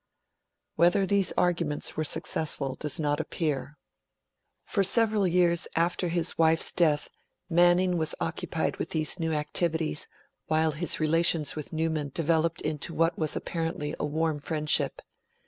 Whether these arguments were successful does not appear. For several years after his wife's death, Manning was occupied with these new activities, while his relations with Newman developed into what was apparently a warm friendship.